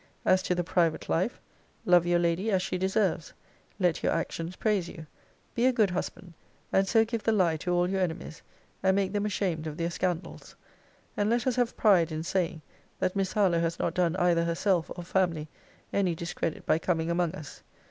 As to the private life: Love your lady as she deserves. Let your actions praise you. Be a good husband; and so give the lie to all your enemies; and make them ashamed of their scandals. And let us have pride in saying, that Miss Harlowe has not done either herself or family any discredit by coming among us.